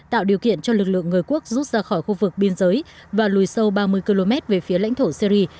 tạo điều kiện cho lực lượng người quốc rút ra khỏi khu vực biên giới và lùi sâu ba mươi km về phía lãnh thổ syri